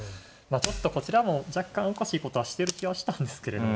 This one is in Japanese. ちょっとこちらも若干おかしいことはしてる気はしたんですけれども。